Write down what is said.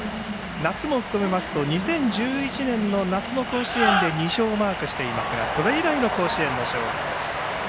夏も含めますと２０１１年の夏の甲子園で２勝をマークしていますがそれ以来の甲子園の勝利です。